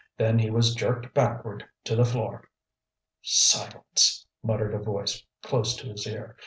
Then he was jerked backward to the floor. "Silence!" muttered a voice close to his ear.